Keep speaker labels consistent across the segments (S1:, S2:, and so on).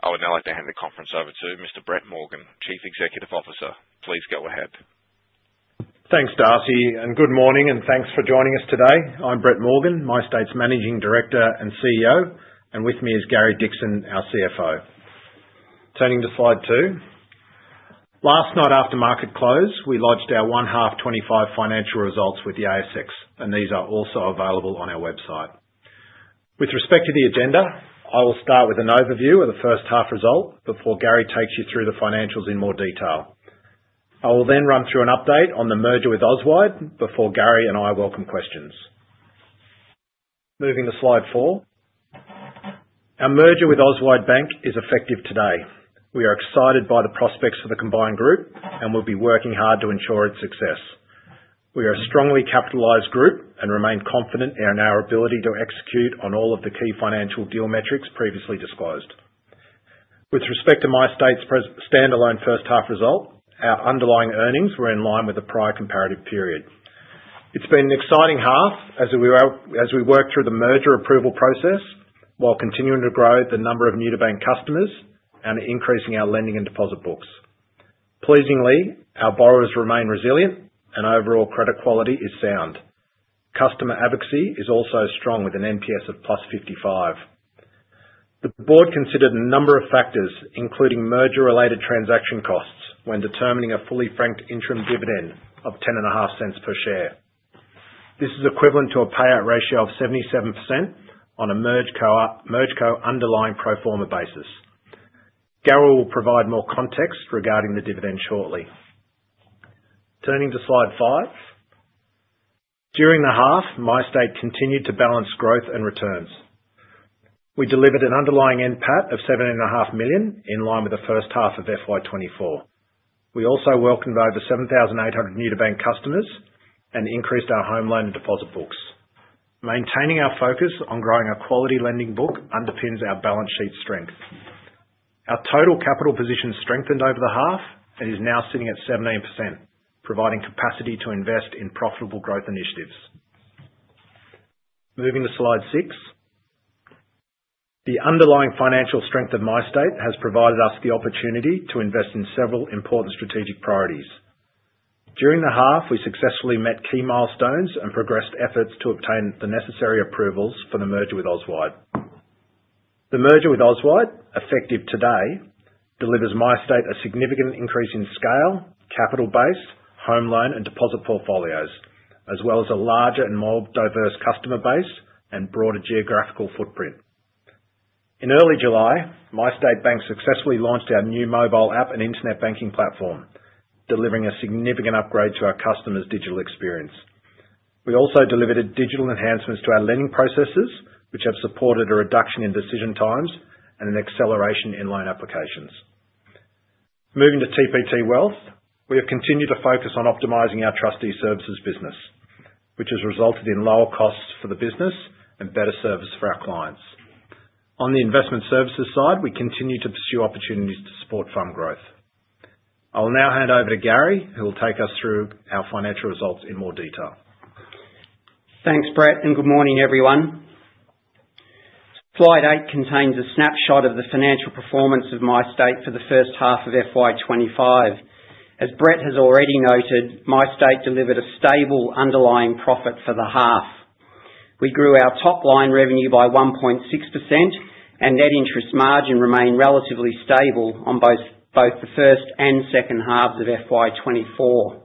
S1: I would now like to hand the conference over to Mr. Brett Morgan, Chief Executive Officer. Please go ahead.
S2: Thanks, Darcy, and good morning, and thanks for joining us today. I'm Brett Morgan, MyState's Managing Director and CEO, and with me is Gary Dickson, our CFO. Turning to slide two. Last night, after market close, we lodged our 1H25 financial results with the ASX, and these are also available on our website. With respect to the agenda, I will start with an overview of the first half result before Gary takes you through the financials in more detail. I will then run through an update on the merger with Auswide before Gary and I welcome questions. Moving to slide four. Our merger with Auswide Bank is effective today. We are excited by the prospects for the combined group, and we'll be working hard to ensure its success. We are a strongly capitalized group and remain confident in our ability to execute on all of the key financial deal metrics previously disclosed. With respect to MyState's standalone first half result, our underlying earnings were in line with the prior comparative period. It's been an exciting half as we worked through the merger approval process while continuing to grow the number of new-to-bank customers and increasing our lending and deposit books. Pleasingly, our borrowers remain resilient, and overall credit quality is sound. Customer advocacy is also strong with an NPS of plus 55. The board considered a number of factors, including merger-related transaction costs, when determining a fully franked interim dividend of 0.105 per share. This is equivalent to a payout ratio of 77% on a MergeCo underlying pro forma basis. Gary will provide more context regarding the dividend shortly. Turning to slide five. During the half, MyState continued to balance growth and returns. We delivered an underlying NPAT of 7.5 million in line with the first half of FY24. We also welcomed over 7,800 new-to-bank customers and increased our home loan and deposit books. Maintaining our focus on growing our quality lending book underpins our balance sheet strength. Our total capital position strengthened over the half and is now sitting at 17%, providing capacity to invest in profitable growth initiatives. Moving to slide six. The underlying financial strength of MyState has provided us the opportunity to invest in several important strategic priorities. During the half, we successfully met key milestones and progressed efforts to obtain the necessary approvals for the merger with Auswide. The merger with Auswide Bank, effective today, delivers MyState a significant increase in scale, capital base, home loan, and deposit portfolios, as well as a larger and more diverse customer base and broader geographical footprint. In early July, MyState Bank successfully launched our new mobile app and internet banking platform, delivering a significant upgrade to our customers' digital experience. We also delivered digital enhancements to our lending processes, which have supported a reduction in decision times and an acceleration in loan applications. Moving to TPT Wealth, we have continued to focus on optimizing our trustee services business, which has resulted in lower costs for the business and better service for our clients. On the investment services side, we continue to pursue opportunities to support fund growth. I will now hand over to Gary, who will take us through our financial results in more detail.
S3: Thanks, Brett, and good morning, everyone. Slide eight contains a snapshot of the financial performance of MyState for the first half of FY25. As Brett has already noted, MyState delivered a stable underlying profit for the half. We grew our top line revenue by 1.6%, and net interest margin remained relatively stable on both the first and second halves of FY24.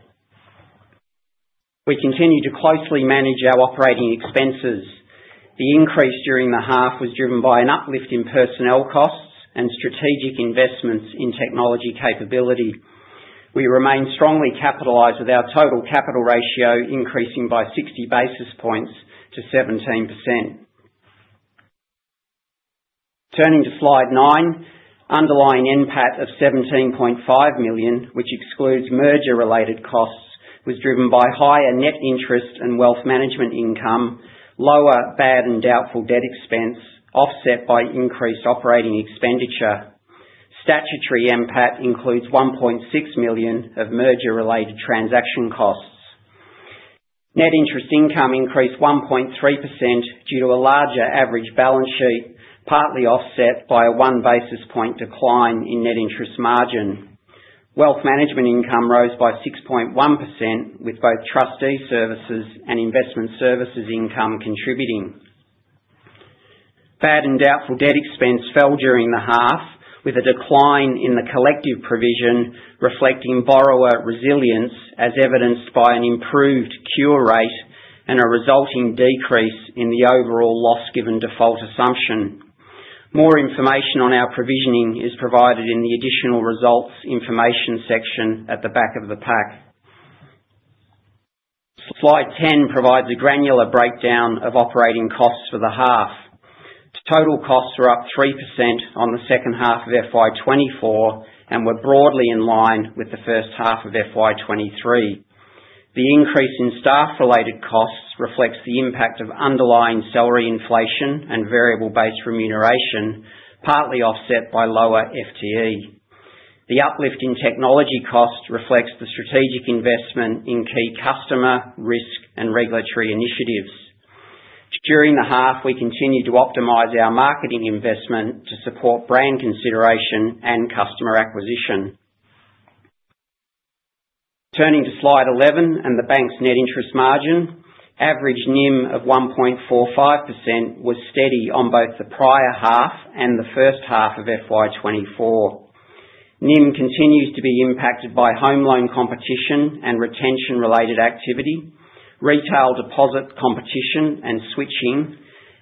S3: We continue to closely manage our operating expenses. The increase during the half was driven by an uplift in personnel costs and strategic investments in technology capability. We remain strongly capitalized with our total capital ratio increasing by 60 basis points to 17%. Turning to slide nine, underlying NPAT of 17.5 million, which excludes merger-related costs, was driven by higher net interest and wealth management income, lower bad and doubtful debt expense, offset by increased operating expenditure. Statutory NPAT includes 1.6 million of merger-related transaction costs. Net interest income increased 1.3% due to a larger average balance sheet, partly offset by a one basis point decline in net interest margin. Wealth management income rose by 6.1%, with both trustee services and investment services income contributing. Bad and doubtful debt expense fell during the half, with a decline in the collective provision reflecting borrower resilience, as evidenced by an improved cure rate and a resulting decrease in the overall loss given default assumption. More information on our provisioning is provided in the additional results information section at the back of the pack. Slide 10 provides a granular breakdown of operating costs for the half. Total costs were up 3% on the second half of FY24 and were broadly in line with the first half of FY23. The increase in staff-related costs reflects the impact of underlying salary inflation and variable base remuneration, partly offset by lower FTE. The uplift in technology costs reflects the strategic investment in key customer, risk, and regulatory initiatives. During the half, we continued to optimize our marketing investment to support brand consideration and customer acquisition. Turning to slide 11 and the bank's net interest margin, average NIM of 1.45% was steady on both the prior half and the first half of FY24. NIM continues to be impacted by home loan competition and retention-related activity, retail deposit competition and switching,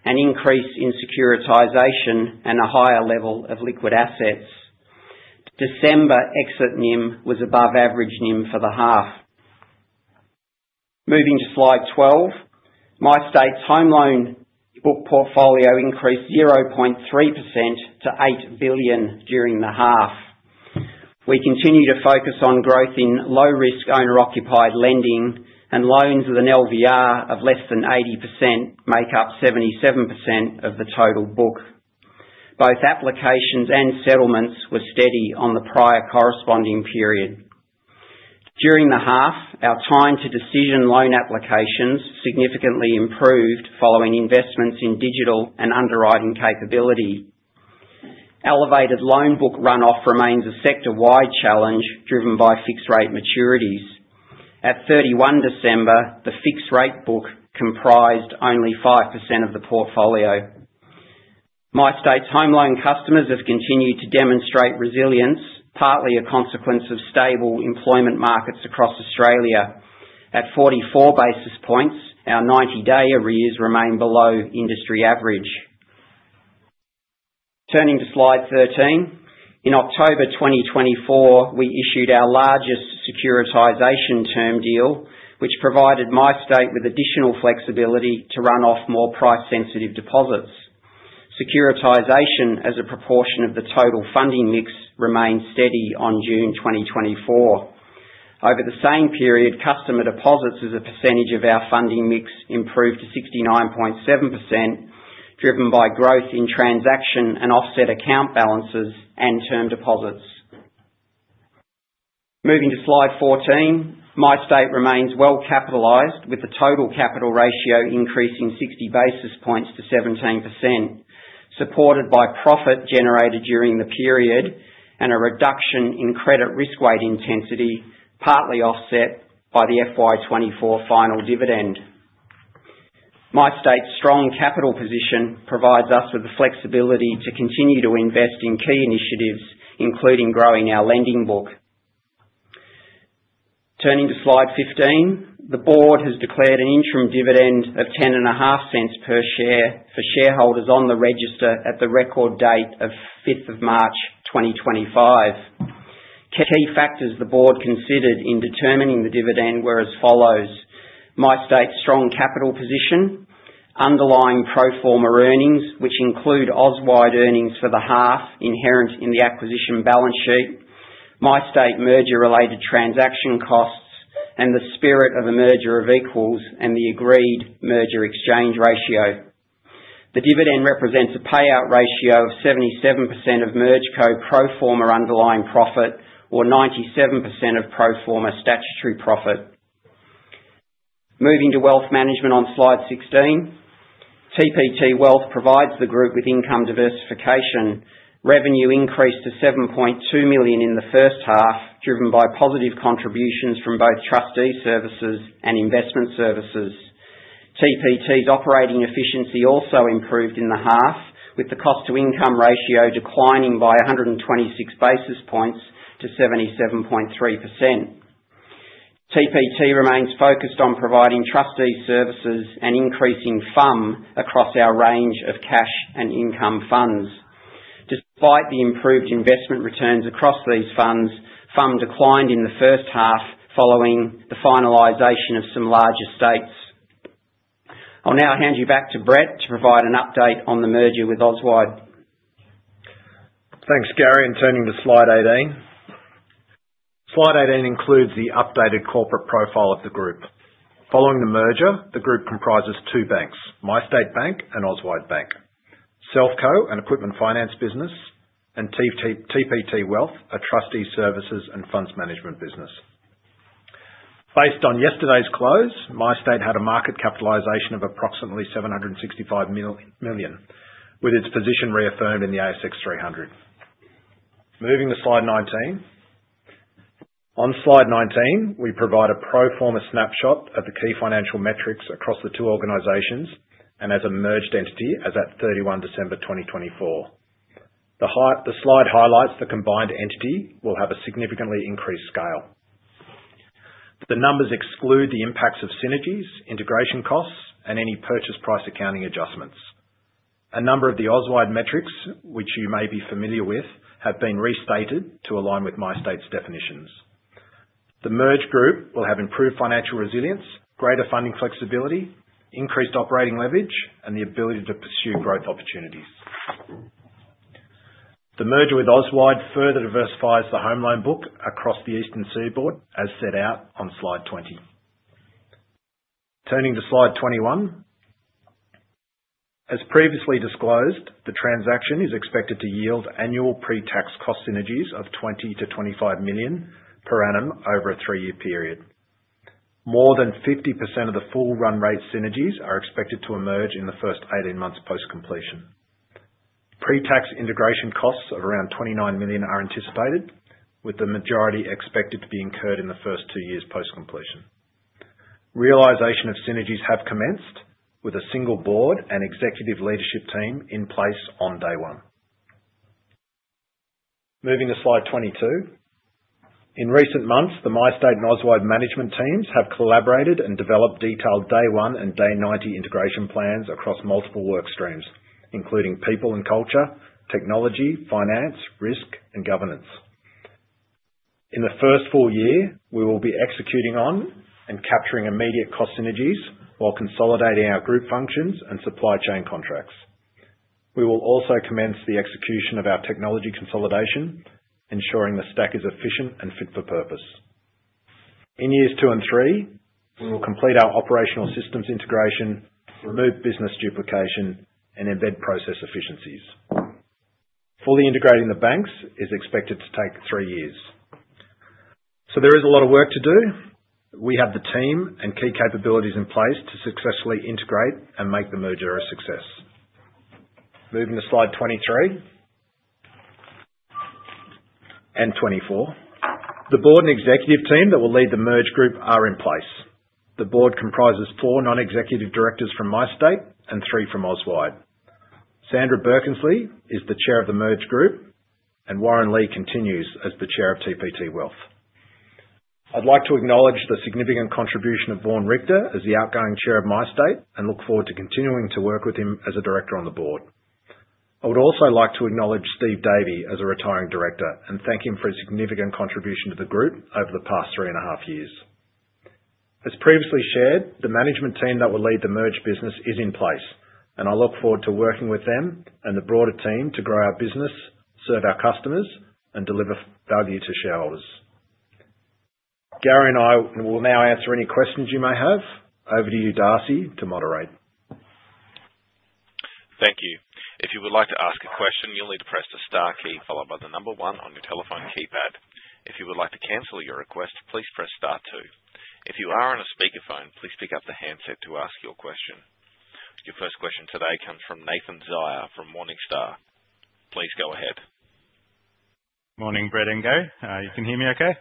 S3: an increase in securitization, and a higher level of liquid assets. December exit NIM was above average NIM for the half. Moving to slide 12, MyState's home loan book portfolio increased 0.3% to 8 billion during the half. We continue to focus on growth in low-risk owner-occupied lending, and loans with an LVR of less than 80% make up 77% of the total book. Both applications and settlements were steady on the prior corresponding period. During the half, our time-to-decision loan applications significantly improved following investments in digital and underwriting capability. Elevated loan book run-off remains a sector-wide challenge driven by fixed-rate maturities. At 31 December, the fixed-rate book comprised only 5% of the portfolio. MyState's home loan customers have continued to demonstrate resilience, partly a consequence of stable employment markets across Australia. At 44 basis points, our 90-day arrears remain below industry average. Turning to slide 13, in October 2024, we issued our largest securitization term deal, which provided MyState with additional flexibility to run off more price-sensitive deposits. Securitization as a proportion of the total funding mix remained steady on June 2024. Over the same period, customer deposits as a percentage of our funding mix improved to 69.7%, driven by growth in transaction and offset account balances and term deposits. Moving to slide 14, MyState remains well capitalized, with the total capital ratio increasing 60 basis points to 17%, supported by profit generated during the period and a reduction in credit risk-weight intensity, partly offset by the FY24 final dividend. MyState's strong capital position provides us with the flexibility to continue to invest in key initiatives, including growing our lending book. Turning to slide 15, the board has declared an interim dividend of 0.105 per share for shareholders on the register at the record date of 5th of March 2025. Key factors the board considered in determining the dividend were as follows: MyState's strong capital position, underlying pro forma earnings, which include Auswide earnings for the half inherent in the acquisition balance sheet, MyState merger-related transaction costs, and the spirit of a merger of equals and the agreed merger exchange ratio. The dividend represents a payout ratio of 77% of MergeCo pro forma underlying profit or 97% of pro forma statutory profit. Moving to wealth management on slide 16, TPT Wealth provides the group with income diversification. Revenue increased to 7.2 million in the first half, driven by positive contributions from both trustee services and investment services. TPT's operating efficiency also improved in the half, with the cost-to-income ratio declining by 126 basis points to 77.3%. TPT remains focused on providing trustee services and increasing FUM across our range of cash and income funds. Despite the improved investment returns across these funds, FUM declined in the first half following the finalisation of some larger stakes. I'll now hand you back to Brett to provide an update on the merger with Auswide.
S2: Thanks, Gary, and turning to slide 18. Slide 18 includes the updated corporate profile of the group. Following the merger, the group comprises two banks: MyState Bank and Auswide Bank, Selfco, an equipment finance business, and TPT Wealth, a trustee services and funds management business. Based on yesterday's close, MyState had a market capitalization of approximately 765 million, with its position reaffirmed in the ASX 300. Moving to slide 19. On slide 19, we provide a pro forma snapshot of the key financial metrics across the two organizations and as a merged entity as at 31 December 2024. The slide highlights the combined entity will have a significantly increased scale. The numbers exclude the impacts of synergies, integration costs, and any purchase price accounting adjustments. A number of the Auswide metrics, which you may be familiar with, have been restated to align with MyState's definitions. The merged group will have improved financial resilience, greater funding flexibility, increased operating leverage, and the ability to pursue growth opportunities. The merger with Auswide further diversifies the home loan book across the Eastern Seaboard, as set out on slide 20. Turning to slide 21. As previously disclosed, the transaction is expected to yield annual pre-tax cost synergies of 20 million-25 million per annum over a three-year period. More than 50% of the full run rate synergies are expected to emerge in the first 18 months post-completion. Pre-tax integration costs of around 29 million are anticipated, with the majority expected to be incurred in the first two years post-completion. Realization of synergies have commenced, with a single board and executive leadership team in place on day one. Moving to slide 22. In recent months, the MyState and Auswide management teams have collaborated and developed detailed day one and day 90 integration plans across multiple work streams, including people and culture, technology, finance, risk, and governance. In the first full year, we will be executing on and capturing immediate cost synergies while consolidating our group functions and supply chain contracts. We will also commence the execution of our technology consolidation, ensuring the stack is efficient and fit for purpose. In years two and three, we will complete our operational systems integration, remove business duplication, and embed process efficiencies. Fully integrating the banks is expected to take three years. So there is a lot of work to do. We have the team and key capabilities in place to successfully integrate and make the merger a success. Moving to slide 23 and 24. The board and executive team that will lead the merged group are in place. The board comprises four non-executive directors from MyState and three from Auswide. Sandra Birkensleigh is the chair of the merged group, and Warren Lee continues as the chair of TPT Wealth. I'd like to acknowledge the significant contribution of Vaughn Richtor as the outgoing chair of MyState and look forward to continuing to work with him as a director on the board. I would also like to acknowledge Steve Davey as a retiring director and thank him for his significant contribution to the group over the past three and a half years. As previously shared, the management team that will lead the merge business is in place, and I look forward to working with them and the broader team to grow our business, serve our customers, and deliver value to shareholders. Gary and I will now answer any questions you may have. Over to you, Darcy, to moderate.
S1: Thank you. If you would like to ask a question, you'll need to press the star key followed by the number one on your telephone keypad. If you would like to cancel your request, please press star two. If you are on a speakerphone, please pick up the handset to ask your question. Your first question today comes from Nathan Zaia from Morningstar. Please go ahead.
S4: Morning, Brett and Gary. You can hear me okay?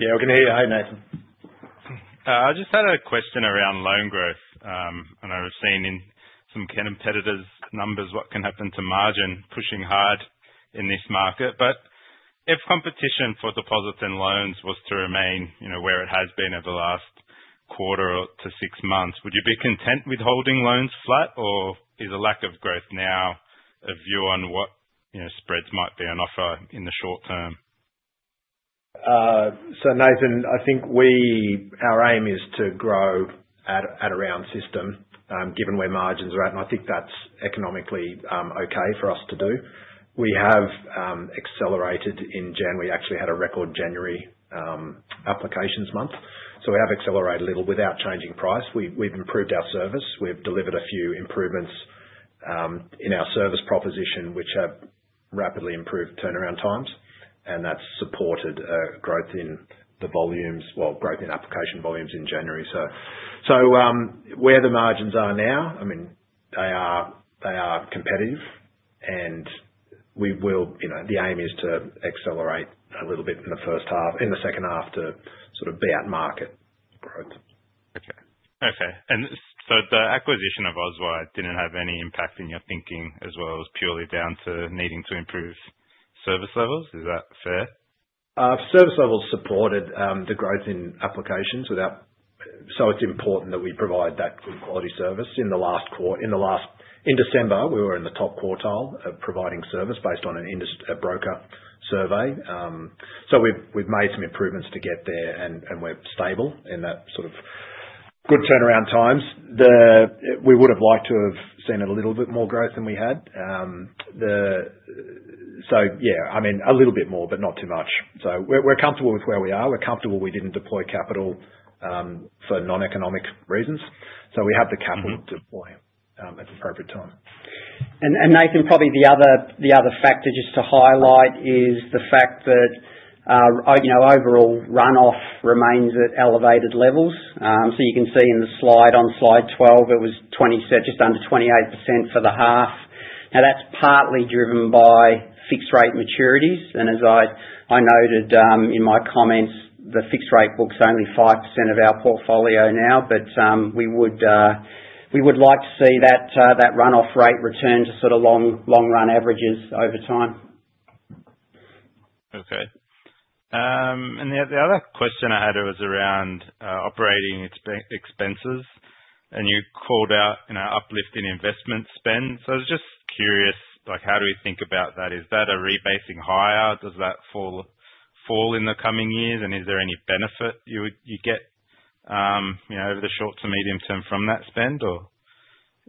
S2: Yeah, we can hear you. Hi, Nathan.
S4: I just had a question around loan growth, and I've seen in some competitors' numbers what can happen to margin pushing hard in this market. But if competition for deposits and loans was to remain where it has been over the last quarter to six months, would you be content with holding loans flat, or is a lack of growth now a view on what spreads might be on offer in the short term?
S2: So, Nathan, I think our aim is to grow at around system, given where margins are at, and I think that's economically okay for us to do. We have accelerated in January. We actually had a record January applications month. So we have accelerated a little without changing price. We've improved our service. We've delivered a few improvements in our service proposition, which have rapidly improved turnaround times, and that's supported growth in the volumes, well, growth in application volumes in January. So where the margins are now, I mean, they are competitive, and the aim is to accelerate a little bit in the first half, in the second half, to sort of beat market growth.
S4: Okay. Okay. And so the acquisition of Auswide didn't have any impact in your thinking as well as purely down to needing to improve service levels? Is that fair?
S2: Service levels supported the growth in applications without. So it's important that we provide that good quality service. In the last quarter, in December, we were in the top quartile of providing service based on a broker survey. So we've made some improvements to get there, and we're stable in that sort of good turnaround times. We would have liked to have seen a little bit more growth than we had. So, yeah, I mean, a little bit more, but not too much. So we're comfortable with where we are. We're comfortable we didn't deploy capital for non-economic reasons. So we have the capital to deploy at the appropriate time.
S3: And Nathan, probably the other factor just to highlight is the fact that overall run-off remains at elevated levels. So you can see in the slide on slide 12, it was just under 28% for the half. Now, that's partly driven by fixed-rate maturities. And as I noted in my comments, the fixed-rate book's only 5% of our portfolio now, but we would like to see that run-off rate return to sort of long-run averages over time.
S4: Okay. And the other question I had was around operating expenses, and you called out an uplift in investment spend. So I was just curious, how do we think about that? Is that a rebasing higher? Does that fall in the coming years? And is there any benefit you get over the short to medium term from that spend? Or,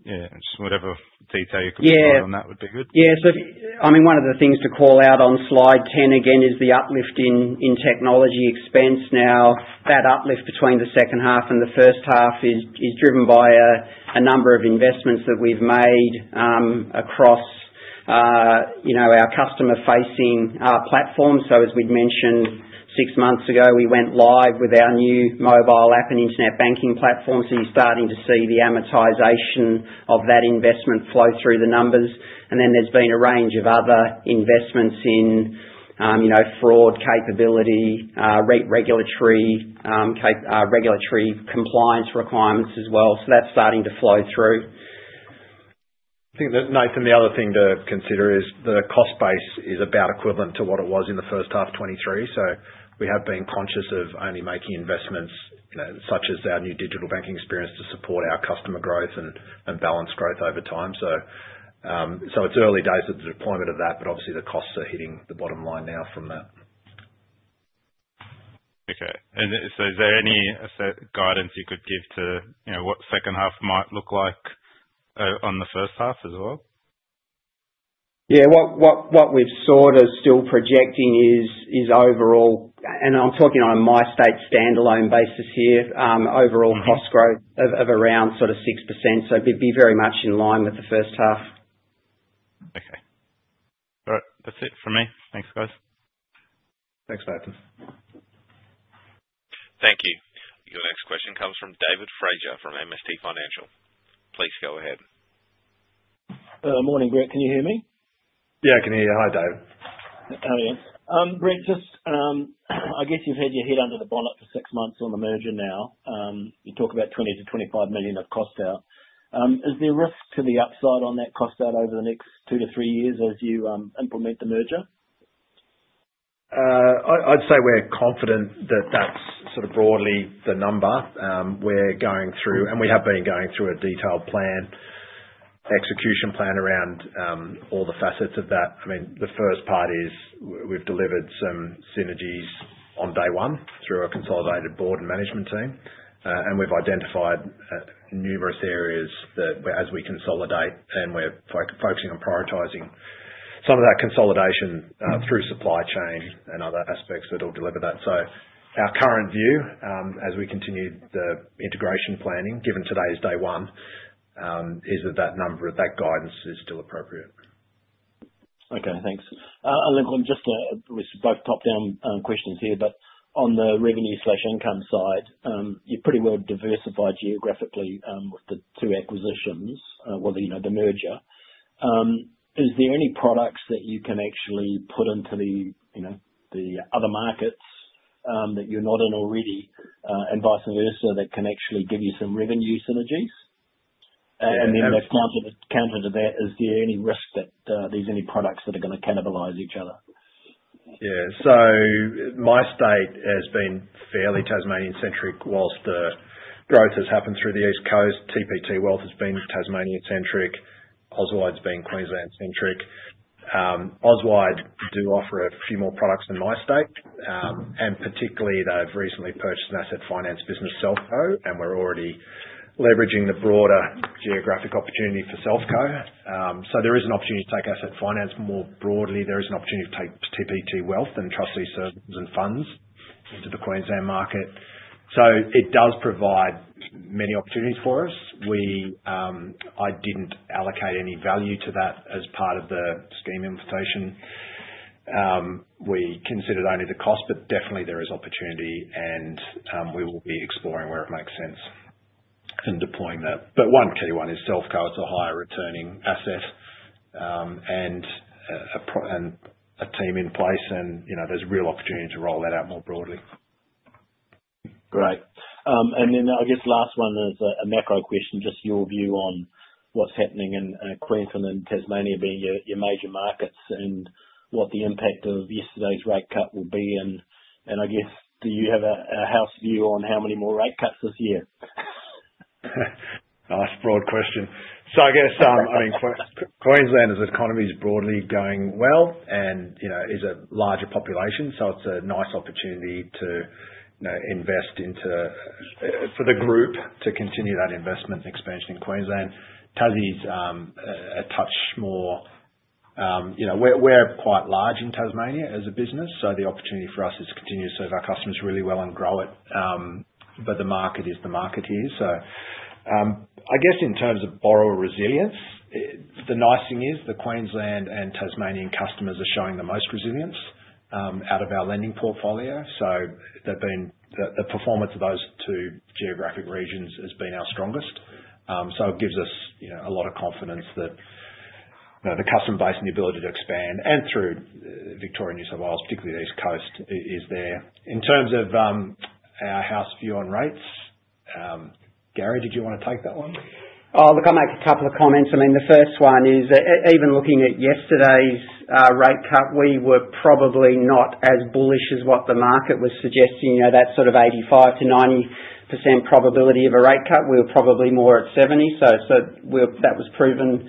S4: yeah, just whatever detail you can provide on that would be good.
S3: Yeah. So, I mean, one of the things to call out on slide 10 again is the uplift in technology expense. Now, that uplift between the second half and the first half is driven by a number of investments that we've made across our customer-facing platform. So, as we'd mentioned six months ago, we went live with our new mobile app and internet banking platform. So you're starting to see the amortization of that investment flow through the numbers. And then there's been a range of other investments in fraud capability, regulatory compliance requirements as well. So that's starting to flow through.
S2: I think, Nathan, the other thing to consider is the cost base is about equivalent to what it was in the first half of 2023. So we have been conscious of only making investments such as our new digital banking experience to support our customer growth and balance growth over time. So it's early days of the deployment of that, but obviously the costs are hitting the bottom line now from that.
S4: Okay. And so is there any guidance you could give to what second half might look like on the first half as well?
S3: Yeah. What we've sort of still projecting is overall, and I'm talking on a MyState standalone basis here, overall cost growth of around sort of 6%. So it'd be very much in line with the first half.
S4: Okay. All right. That's it from me. Thanks, guys.
S2: Thanks, Nathan.
S1: Thank you. Your next question comes from David Fraser from MST Financial. Please go ahead.
S5: Morning, Brett. Can you hear me?
S2: Yeah, I can hear you. Hi, David.
S5: How are you? Brett, just I guess you've had your head under the bonnet for six months on the merger now. You talk about 20-25 million of cost out. Is there risk to the upside on that cost out over the next two to three years as you implement the merger?
S2: I'd say we're confident that that's sort of broadly the number we're going through, and we have been going through a detailed plan, execution plan around all the facets of that. I mean, the first part is we've delivered some synergies on day one through our consolidated board and management team, and we've identified numerous areas that, as we consolidate, and we're focusing on prioritising some of that consolidation through supply chain and other aspects that will deliver that. So our current view, as we continue the integration planning, given today's day one, is that that guidance is still appropriate.
S5: Okay. Thanks. And then just both top-down questions here, but on the revenue/income side, you've pretty well diversified geographically with the two acquisitions, the merger. Is there any products that you can actually put into the other markets that you're not in already, and vice versa, that can actually give you some revenue synergies? And then counter to that, is there any risk that there's any products that are going to cannibalize each other?
S2: Yeah. So MyState has been fairly Tasmanian-centric while the growth has happened through the East Coast. TPT Wealth has been Tasmanian-centric. Auswide's been Queensland-centric. Auswide does offer a few more products than MyState, and particularly they've recently purchased an asset finance business, Selfco, and we're already leveraging the broader geographic opportunity for Selfco. So there is an opportunity to take asset finance more broadly. There is an opportunity to take TPT Wealth and trustee services and funds into the Queensland market. So it does provide many opportunities for us. I didn't allocate any value to that as part of the scheme implementation. We considered only the cost, but definitely there is opportunity, and we will be exploring where it makes sense in deploying that. But one key one is Selfco. It's a higher returning asset and a team in place, and there's real opportunity to roll that out more broadly.
S5: Great. And then I guess last one is a macro question, just your view on what's happening in Queensland and Tasmania being your major markets and what the impact of yesterday's rate cut will be. And I guess, do you have a house view on how many more rate cuts this year?
S2: Nice broad question. So I guess, I mean, Queensland's economy is broadly going well and is a larger population, so it's a nice opportunity to invest into for the group to continue that investment expansion in Queensland. Tassie's a touch more, we're quite large in Tasmania as a business, so the opportunity for us is to continue to serve our customers really well and grow it. But the market is the market here. So I guess in terms of borrower resilience, the nice thing is the Queensland and Tasmanian customers are showing the most resilience out of our lending portfolio. So the performance of those two geographic regions has been our strongest. So it gives us a lot of confidence that the customer base and the ability to expand and through Victoria and New South Wales, particularly the East Coast, is there. In terms of our house view on rates, Gary, did you want to take that one?
S3: Oh, look, I'll make a couple of comments. I mean, the first one is even looking at yesterday's rate cut, we were probably not as bullish as what the market was suggesting. That sort of 85%-90% probability of a rate cut, we were probably more at 70%. So that was proven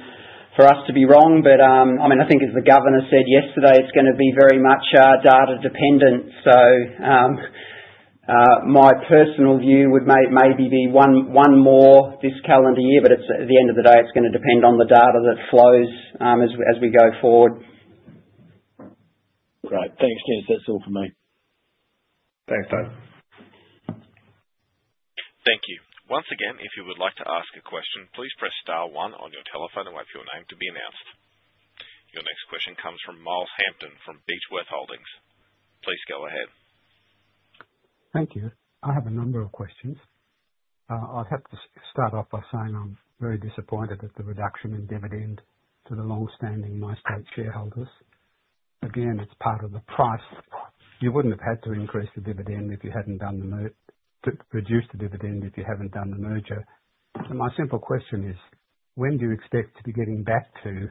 S3: for us to be wrong. But I mean, I think as the governor said yesterday, it's going to be very much data dependent. So my personal view would maybe be one more this calendar year, but at the end of the day, it's going to depend on the data that flows as we go forward.
S5: Great. Thanks, Gary. That's all from me.
S2: Thanks, David.
S1: Thank you. Once again, if you would like to ask a question, please press star one on your telephone and wait for your name to be announced. Your next question comes from Miles Hampton from Beechworth Holdings. Please go ahead.
S6: Thank you. I have a number of questions. I'd have to start off by saying I'm very disappointed at the reduction in dividend to the long-standing MyState shareholders. Again, it's part of the price. You wouldn't have had to reduce the dividend if you hadn't done the merger. And my simple question is, when do you expect to be getting back to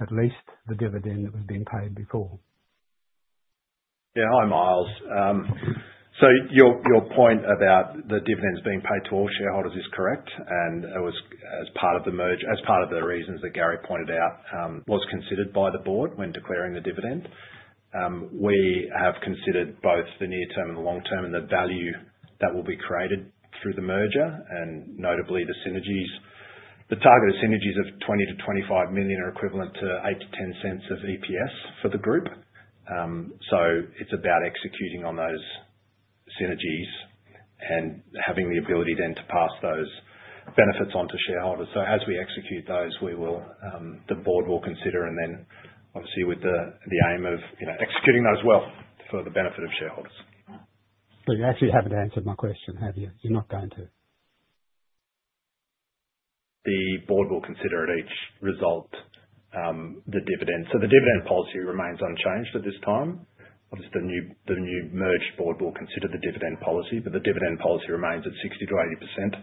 S6: at least the dividend that was being paid before?
S2: Yeah. Hi, Miles. So your point about the dividends being paid to all shareholders is correct. And it was as part of the merger, as part of the reasons that Gary pointed out, was considered by the board when declaring the dividend. We have considered both the near-term and the long-term and the value that will be created through the merger, and notably the synergies. The targeted synergies of 20-25 million are equivalent to 8-10 cents of EPS for the group. So it's about executing on those synergies and having the ability then to pass those benefits on to shareholders. So as we execute those, the board will consider, and then obviously with the aim of executing those well for the benefit of shareholders.
S6: But you actually haven't answered my question, have you? You're not going to.
S2: The board will consider at each result the dividend. So the dividend policy remains unchanged at this time. Obviously, the new merged board will consider the dividend policy, but the dividend policy remains at 60%-80%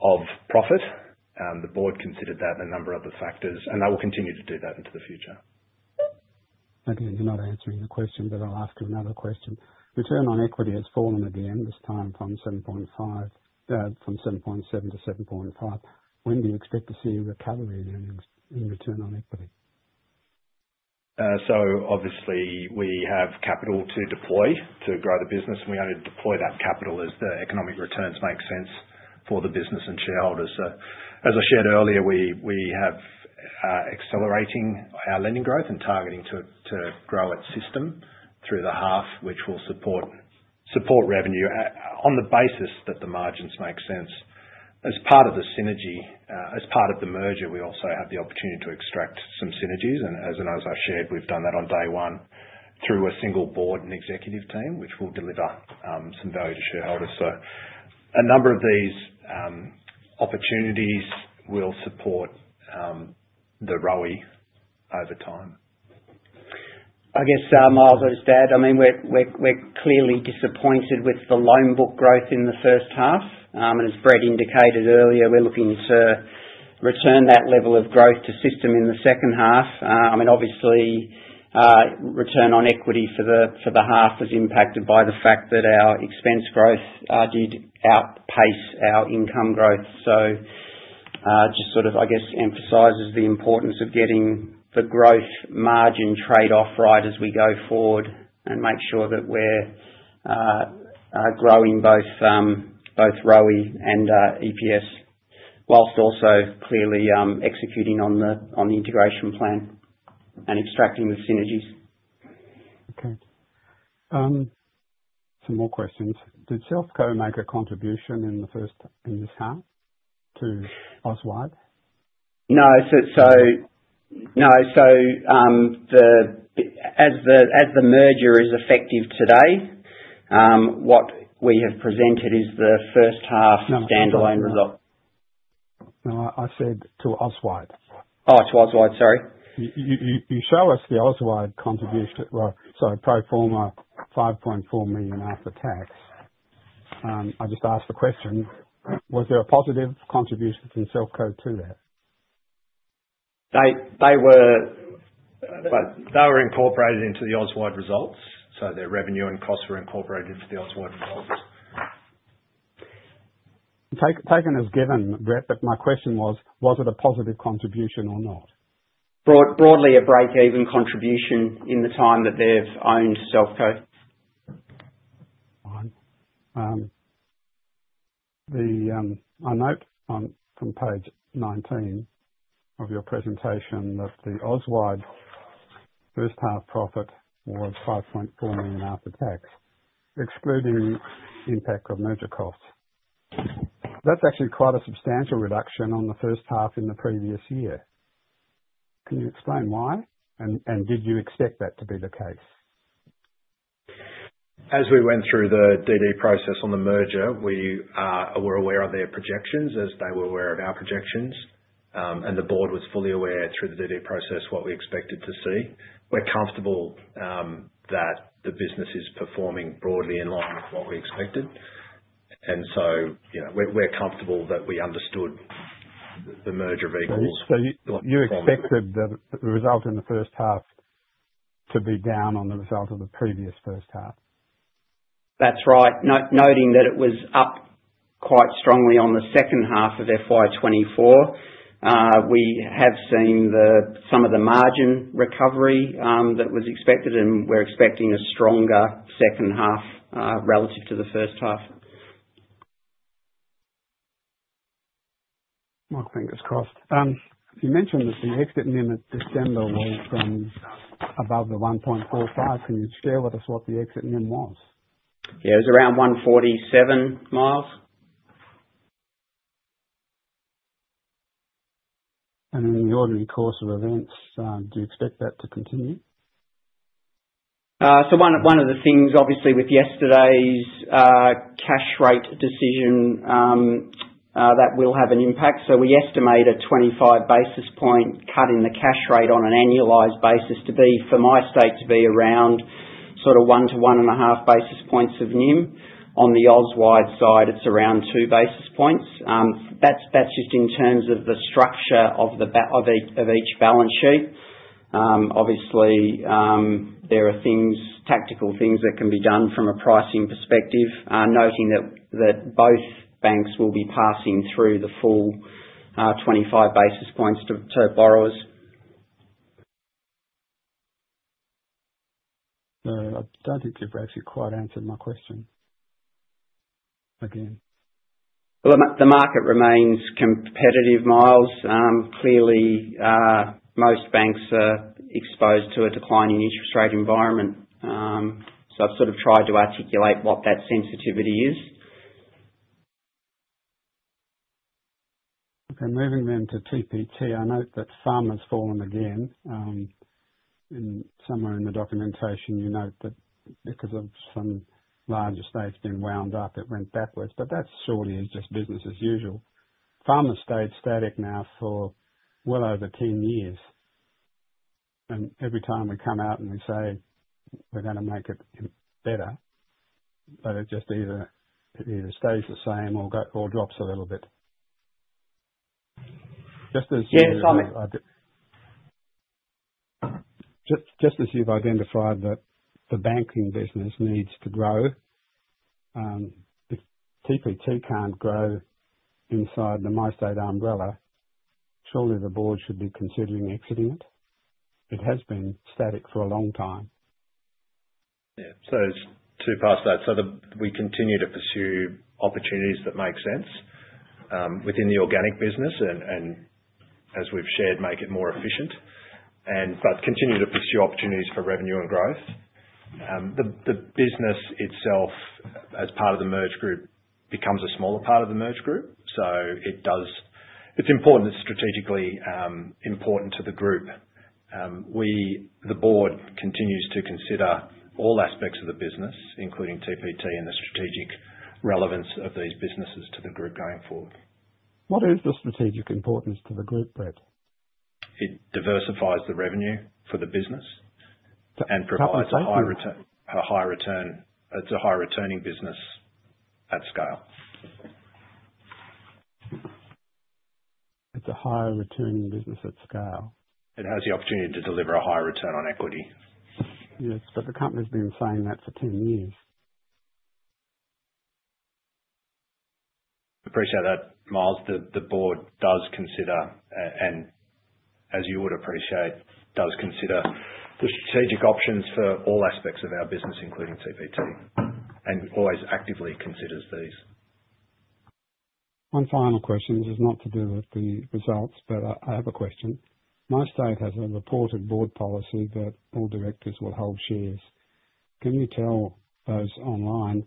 S2: of profit. The board considered that and a number of other factors, and that will continue to do that into the future.
S6: Okay. You're not answering the question, but I'll ask you another question. Return on equity has fallen again, this time from 7.7 to 7.5. When do you expect to see a recovery in return on equity?
S2: So obviously, we have capital to deploy to grow the business, and we only deploy that capital as the economic returns make sense for the business and shareholders. So as I shared earlier, we have accelerating our lending growth and targeting to grow its system through the half, which will support revenue on the basis that the margins make sense. As part of the synergy, as part of the merger, we also have the opportunity to extract some synergies. And as I shared, we've done that on day one through a single board and executive team, which will deliver some value to shareholders. So a number of these opportunities will support the ROE over time.
S3: I guess, Miles, I was there. I mean, we're clearly disappointed with the loan book growth in the first half. And as Brett indicated earlier, we're looking to return that level of growth to system in the second half. I mean, obviously, return on equity for the half is impacted by the fact that our expense growth did outpace our income growth. So just sort of, I guess, emphasizes the importance of getting the growth margin trade-off right as we go forward and make sure that we're growing both ROE and EPS while also clearly executing on the integration plan and extracting the synergies.
S6: Okay. Some more questions. Did Selfco make a contribution in this half to Auswide?
S3: No. So, as the merger is effective today, what we have presented is the first half standalone result.
S6: No. I said to Auswide.
S3: Oh, to Auswide, sorry.
S6: You show us the Auswide contribution, sorry, pro forma 5.4 million after tax. I just asked the question, was there a positive contribution from Selfco to that?
S2: They were incorporated into the Auswide results. So their revenue and costs were incorporated into the Auswide results.
S6: Taken as given, Brett, but my question was, was it a positive contribution or not?
S3: Broadly, a break-even contribution in the time that they've owned Selfco.
S6: Fine. I note from page 19 of your presentation that the Auswide first half profit was 5.4 million after tax, excluding impact of merger costs. That's actually quite a substantial reduction on the first half in the previous year. Can you explain why, and did you expect that to be the case?
S2: As we went through the DD process on the merger, we were aware of their projections as they were aware of our projections, and the board was fully aware through the DD process what we expected to see. We're comfortable that the business is performing broadly in line with what we expected. And so we're comfortable that we understood the merger of equals.
S6: You expected the result in the first half to be down on the result of the previous first half?
S3: That's right. Noting that it was up quite strongly on the second half of FY24, we have seen some of the margin recovery that was expected, and we're expecting a stronger second half relative to the first half.
S6: My fingers crossed. You mentioned that the exit NIM in December was above the 1.45. Can you share with us what the exit NIM was?
S2: Yeah. It was around 147, Miles.
S6: In the ordinary course of events, do you expect that to continue?
S3: One of the things, obviously, with yesterday's cash rate decision, that will have an impact. We estimate a 25 basis point cut in the cash rate on an annualized basis for MyState to be around sort of one to one and a half basis points of NIM. On the Auswide side, it's around two basis points. That's just in terms of the structure of each balance sheet. Obviously, there are tactical things that can be done from a pricing perspective, noting that both banks will be passing through the full 25 basis points to borrowers.
S6: Don't interrupt. You've actually quite answered my question again.
S3: The market remains competitive, Miles. Clearly, most banks are exposed to a declining interest rate environment. So I've sort of tried to articulate what that sensitivity is.
S6: Okay. Moving then to TPT, I note that FUM has fallen again. And somewhere in the documentation, you note that because of some larger stakes being wound up, it went backwards. But that surely is just business as usual. FUM has stayed static now for well over 10 years. And every time we come out and we say we're going to make it better, it just either stays the same or drops a little bit. Just as you've identified that the banking business needs to grow, if TPT can't grow inside the MyState umbrella, surely the board should be considering exiting it. It has been static for a long time.
S2: Yeah. So it's to put past that. So we continue to pursue opportunities that make sense within the organic business and, as we've shared, make it more efficient, but continue to pursue opportunities for revenue and growth. The business itself, as part of the merged group, becomes a smaller part of the merged group. So it's important. It's strategically important to the group. The board continues to consider all aspects of the business, including TPT and the strategic relevance of these businesses to the group going forward.
S6: What is the strategic importance to the group, Brett?
S2: It diversifies the revenue for the business and provides a high return. It's a high-returning business at scale.
S6: It's a high-returning business at scale.
S2: It has the opportunity to deliver a high return on equity.
S6: Yes, but the company's been saying that for 10 years.
S2: Appreciate that, Miles. The board does consider, and as you would appreciate, does consider the strategic options for all aspects of our business, including TPT, and always actively considers these.
S6: One final question. This is not to do with the results, but I have a question. MyState has a reported board policy that all directors will hold shares. Can you tell those online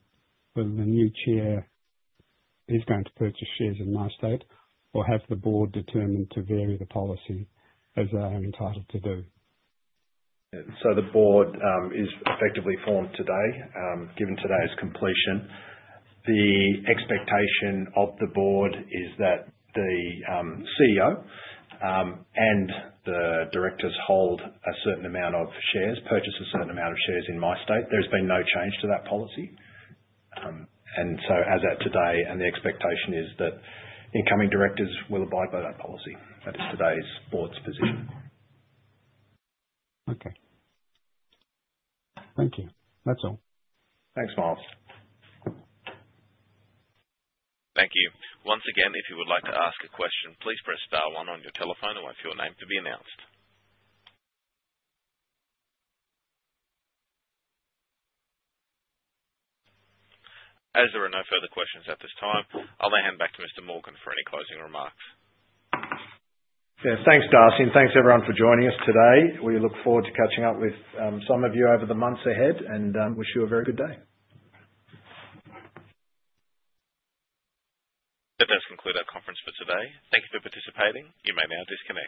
S6: whether the new chair is going to purchase shares in MyState or have the board determined to vary the policy as they are entitled to do?
S2: So the board is effectively formed today, given today's completion. The expectation of the board is that the CEO and the directors hold a certain amount of shares, purchase a certain amount of shares in MyState. There has been no change to that policy. And so as at today, the expectation is that incoming directors will abide by that policy. That is today's board's position.
S6: Okay. Thank you. That's all.
S2: Thanks, Miles.
S1: Thank you. Once again, if you would like to ask a question, please press star one on your telephone and wait for your name to be announced. As there are no further questions at this time, I'll now hand back to Mr. Morgan for any closing remarks.
S2: Yeah. Thanks, Darcy. And thanks, everyone, for joining us today. We look forward to catching up with some of you over the months ahead and wish you a very good day.
S1: That does conclude our conference for today. Thank you for participating. You may now disconnect.